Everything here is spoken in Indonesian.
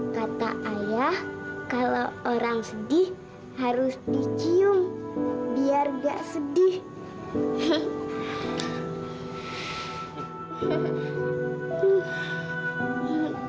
kata ayah kalau orang sedih harus dicium